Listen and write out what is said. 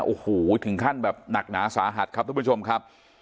โอ้โหถึงขั้นแบบหนักหนาสาหัสครับทุกผู้ชมครับ